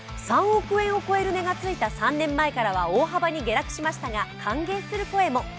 ３億円を超える値が付いた３年前からは大幅に下落しましたが歓迎する声も。